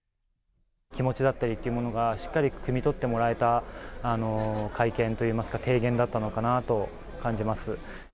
気持ちだったリっていうものがしっかりくみ取ってもらえた会見といいますか、提言だったのかなと感じます。